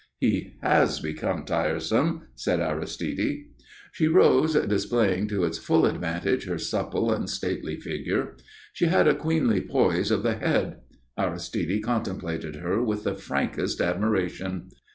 "He has become tiresome," said Aristide. She rose, displaying to its full advantage her supple and stately figure. She had a queenly poise of the head. Aristide contemplated her with the frankest admiration.